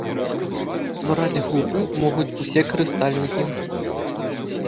Ствараць групы могуць усе карыстальнікі.